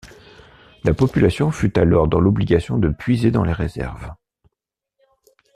La population fut alors dans l'obligation de puiser dans les réserves.